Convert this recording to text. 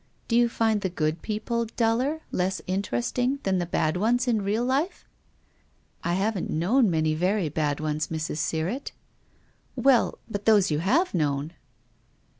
" Do you find the good people duller, less interesting, than the bad ones in real life ?":' I haven't known many very bad ones, Mrs. Sirrett." " Well — but those you have known